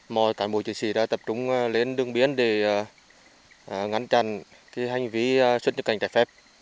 mọi cán bộ chiến sĩ đã tập trung lên đường biên để ngăn chặn hành vi xuất nhập cảnh trái phép